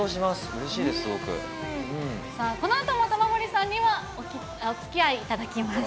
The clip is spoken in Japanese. うれしいこのあとも玉森さんにはおつきあいいただきます。